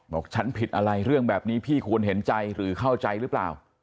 บอกฉันผิดอะไรเรื่องแบบนี้พี่ควรเห็นใจหรือเข้าใจหรือเปล่า